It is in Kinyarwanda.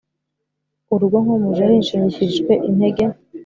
urugo nk umuja hishingikirijwe intege